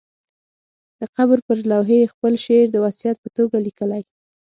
د قبر پر لوحې یې خپل شعر د وصیت په توګه لیکلی.